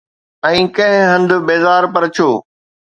۽ ڪنهن هنڌ بيزار، پر ڇو؟